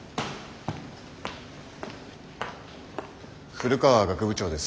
古川学部長です。